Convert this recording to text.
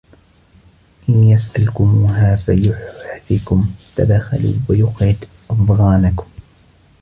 إِنْ يَسْأَلْكُمُوهَا فَيُحْفِكُمْ تَبْخَلُوا وَيُخْرِجْ أَضْغَانَكُمْ